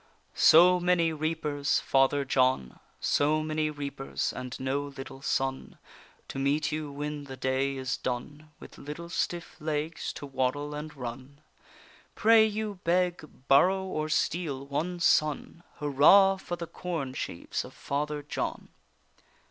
So many reapers, Father John, So many reapers and no little son, To meet you when the day is done, With little stiff legs to waddle and run? Pray you beg, borrow, or steal one son. Hurrah for the corn sheaves of Father John!